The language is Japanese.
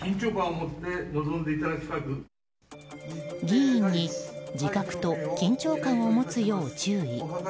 議員に自覚と緊張感を持つよう注意。